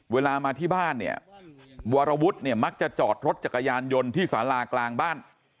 เวลามาที่บ้านเนี่ยวรวุฒิเนี่ยมักจะจอดรถจักรยานยนต์ที่สารากลางบ้าน